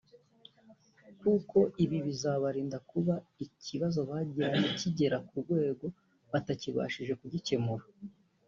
kuko ibi bizabarinda kuba ikibazo bagiranye kigera ku rwego batakibashije kugikemura